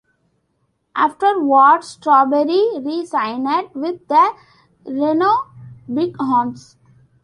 Afterwards, Strawberry re-signed with the Reno Bighorns.